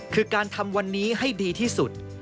คือการทำวันนี้ให้ดีที่สุด